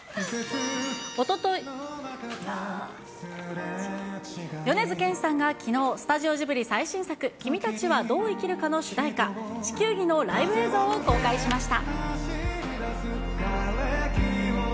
おととい、米津玄師さんがきのう、スタジオジブリ最新作、君たちはどう生きるかの主題歌、地球儀のライブ映像を公開しました。